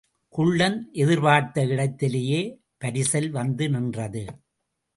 குள்ளன் எதிர்பார்த்த இடத்திலேயே பரிசல் வந்து நின்றது.